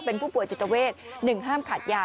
เป็นผู้ป่วยจิตเวท๑ห้ามขาดยา